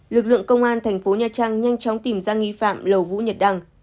lực lượng công an tp nha trang nhanh chóng tìm ra nghi phạm lầu vũ nhật đăng